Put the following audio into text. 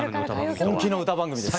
本気の歌番組です。